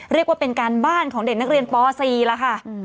เรียกว่าเป็นการบ้านของเด็กนักเรียนป๔แล้วค่ะ